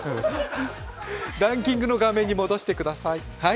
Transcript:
ランキングの画面に戻してください。